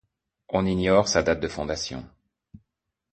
On ignore sa date de fondation.